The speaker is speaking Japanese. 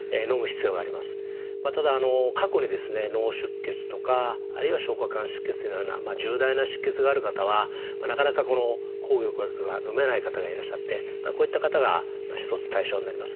ただ過去にですね脳出血とかあるいは消化管出血のような重大な出血がある方はなかなかこの抗凝固薬がのめない方がいらっしゃってこういった方が一つ対象になります。